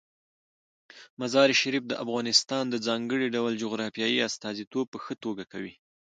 مزارشریف د افغانستان د ځانګړي ډول جغرافیې استازیتوب په ښه توګه کوي.